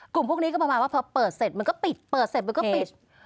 กลุ่มพวกนี้ก็ประมาณว่าพอเปิดเสร็จมันก็ปิดเปิดเสร็จมันก็ปิด